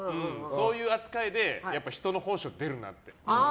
そういう扱いで人の本性出るなって。